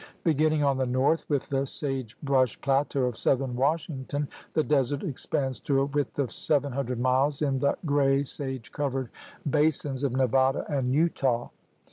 Beginning on the north with the sage brush plateau of southern Washington, the desert ex Dands to a width of seven hundred miles in the 112 THE RED MAN'S CONTINENT gray, sage covered basins of Nevada and Utah.